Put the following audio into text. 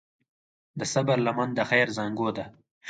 د صبر لمن د خیر زانګو ده.